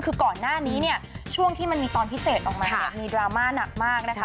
คือก่อนหน้านี้เนี่ยช่วงที่มันมีตอนพิเศษออกมาเนี่ยมีดราม่าหนักมากนะคะ